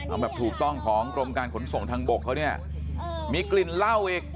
เอาแบบถูกต้องของกรมการขนส่งทางบกเขาเนี่ยมีกลิ่นเหล้าอีก